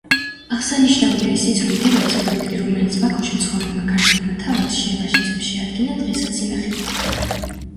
აღსანიშნავია ისიც, რომ გერბის პროექტი, რომელიც ბაქოში მცხოვრებმა ქართველმა თავადმა შერვაშიძემ შეადგინა, დღესაც ინახება.